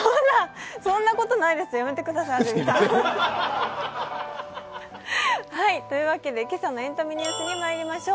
そんなことないです、やめてください、安住さん。というわけで今朝のエンタメニュースに行きましょう。